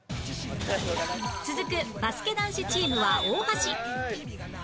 続くバスケ男子チームは大橋